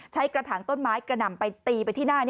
กระถางต้นไม้กระหน่ำไปตีไปที่หน้า